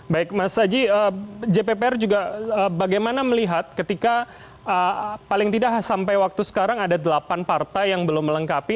baik mas haji jppr juga bagaimana melihat ketika paling tidak sampai waktu sekarang ada delapan partai yang belum melengkapi